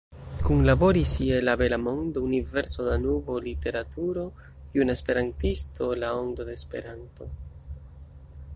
Kunlaboris je "La Bela Mondo, Universo, Danubo, Literaturo, Juna Esperantisto, La Ondo de Esperanto.